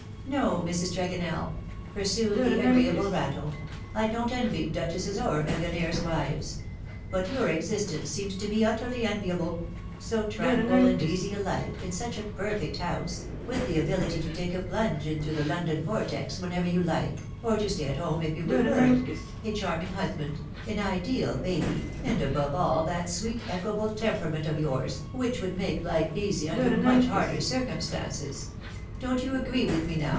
No^ Mrs. Tregonell/'' pursued the agreeable rattle^ " I don^t envy duchesses or million aires' wives : but your existence seems to me utterly enviable, so tranquil and easy a life, in such a perfect house, with the ability to take a plunge into the London vortex whenever you like, or to stay at home if you prefer it, a charming husband, an ideal baby, and above all that sweet equable temperament of yours, which would make life easy ■under much harder circumstances. Don't you agree with me, now.